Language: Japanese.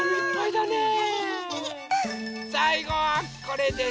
さいごはこれです。